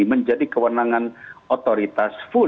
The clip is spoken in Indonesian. menjadi kewenangan otoritas full